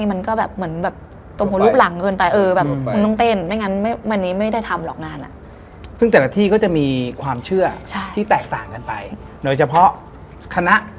มันมีเรื่องหนึ่งคือแอร์ไปถ่าย